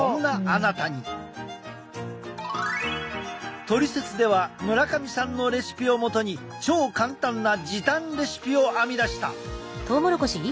でも「トリセツ」では村上さんのレシピをもとに超簡単な時短レシピを編み出した。